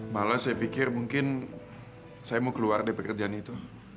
malah saya pikir mungkin saya mau keluar dari pekerjaan itu